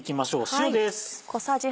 塩です。